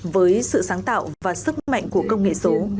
với sự sáng tạo và sức mạnh của công nghệ số